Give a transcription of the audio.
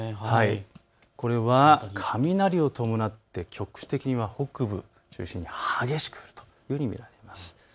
これは雷を伴って局地的に北部中心に激しく降るというふうに見られます。